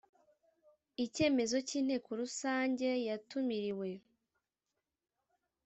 icyemezo cy Inteko Rusange yatumiriwe